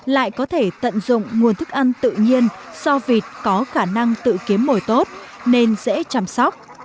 lại có thể tận dụng nguồn thức ăn tự nhiên do vịt có khả năng tự kiếm mồi tốt nên dễ chăm sóc